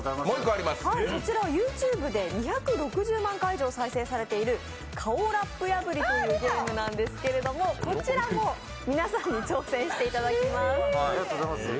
そちらはＹｏｕＴｕｂｅで２６０万回再生されている顔ラップ破りというゲームなんですけど、こちらも皆さんに挑戦していただきます。